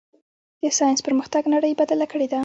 د ساینس پرمختګ نړۍ بدله کړې ده.